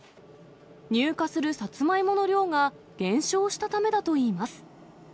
入荷するサツマイモの量が減少したためだといいます。